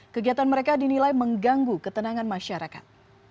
kegiatan mereka dinilai mengganggu ketenangan masyarakat